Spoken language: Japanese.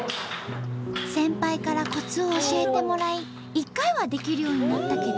先輩からコツを教えてもらい１回はできるようになったけど。